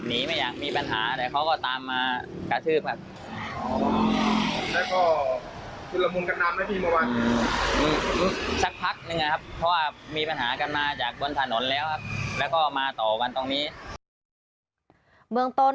เมืองต้นพันธบริโภคเอกเสิร์ฟ